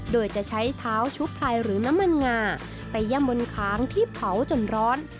โดยจะใช้เท้าชุบไพรหรือน้ำมันงาไปย่ำบนค้างที่เผาจนร้อน